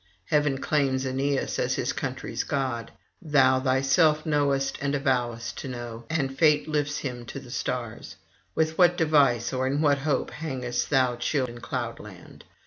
Heaven claims Aeneas as his country's god, thou thyself knowest and avowest to know, and fate lifts him to the stars. With what device or in what hope hangest thou chill in cloudland?